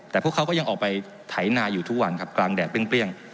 แต่พวกเขาก็ยังออกไปไถนาอยู่ทุกวันครับกลางแดดเปรี้ยง